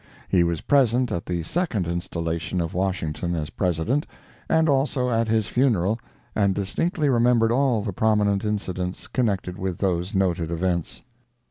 He was present at the second installation of Washington as President, and also at his funeral, and distinctly remembered all the prominent incidents connected with those noted events.